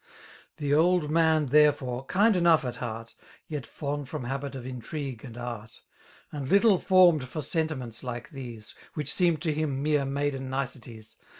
The old man therefore, kind enough at heart. Yet fond from habit of intrigue and art» And little formed for sentlmeilta like thefie^ . Which seemed to him mer^ maiden niceties.